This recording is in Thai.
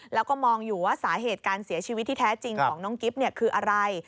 แล้วก็มองอยู่ว่าสาเหตุการเสียชีวิตที่แท้จริงของน้องกิ๊บคืออะไร